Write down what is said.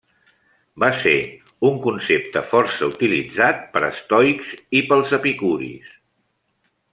Va ser un concepte força utilitzat per estoics i pels epicuris.